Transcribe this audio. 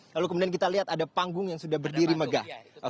lalu kemudian kita lihat ada panggung yang sudah berdiri megah